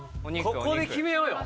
ここで決めようよ。